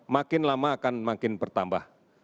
makin lama akan makin bertambah